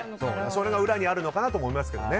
それが裏にあるのかなとも思いますけどね。